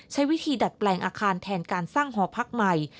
ใช้วิธีดัดแปลงอาคารแทนการสร้างหอพักใหม่